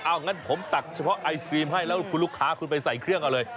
งั้นผมตักเฉพาะไอศกรีมให้แล้วคุณลูกค้าคุณไปใส่เครื่องเอาเลย